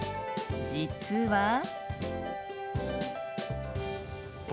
実は。